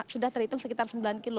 sudah terhitung sekitar sembilan km